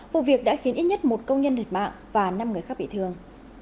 vụ việc đã khiến ít nhất một công nhân thiệt mạng và năm người khác bị thương